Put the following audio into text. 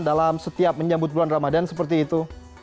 dalam setiap menyambut bulan ramadhan seperti itu